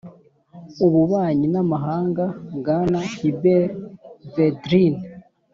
ububanyi n'amahanga, bwana hubert védrine,